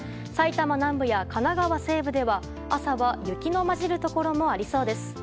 埼玉南部や神奈川西部では朝は雪の交じるところもありそうです。